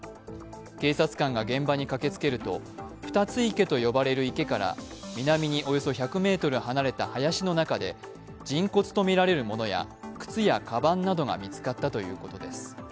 警察官が現場に駆けつけると、ふたつ池と呼ばれる池から南におよそ１００ｍ離れた林の中で人骨とみられるものや靴やかばんなどが見つかったということです。